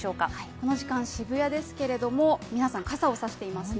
この時間、渋谷ですけれども、皆さん傘を差していますね。